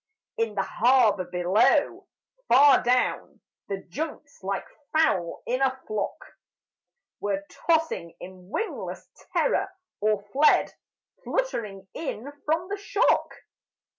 In the harbour below, far down, The junks like fowl in a flock Were tossing in wingless terror, or fled Fluttering in from the shock.